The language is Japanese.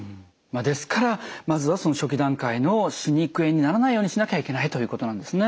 ですからまずはその初期段階の歯肉炎にならないようにしなきゃいけないということなんですね。